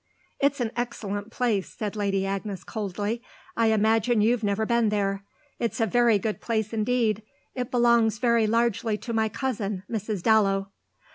"It's an excellent place," said Lady Agnes coldly. "I imagine you've never been there. It's a very good place indeed. It belongs very largely to my cousin, Mrs. Dallow."